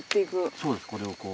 そうですこれをこう。